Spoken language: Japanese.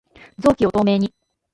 臓器を透明に